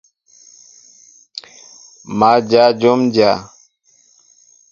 Má dyă jǒm dyá.